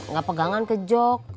gak pegangan ke jok